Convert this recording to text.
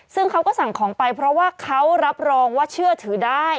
ซึ่งเขาก็สั่งของไปเพราะว่าเขารับรองว่าเชื่อถือได้